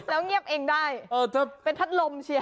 แล้วเงียบเองได้